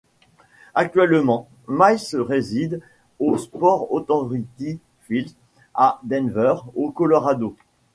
Actuellemant Miles réside au Sports Authority Field, à Denver, au Colorado.